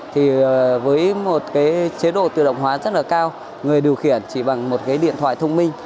thì với một cái chế độ tự động hóa rất là cao người điều khiển chỉ bằng một cái điện thoại thông minh